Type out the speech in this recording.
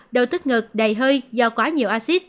đầu tức ngực đầy hơi do quá nhiều acid